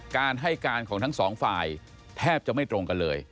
การให้การของทั้งสองฝ่ายแทบจะไม่ตรงกันเลย